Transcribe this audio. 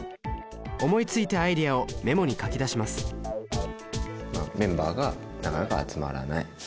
思いついたアイデアをメモに書き出しますメンバーがなかなか集まらない。